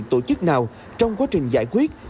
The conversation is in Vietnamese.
tổ chức nào trong quá trình giải quyết